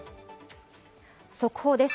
速報です。